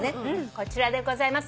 こちらでございます。